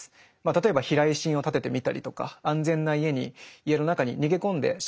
例えば避雷針をたててみたりとか安全な家に家の中に逃げ込んでしまえばですね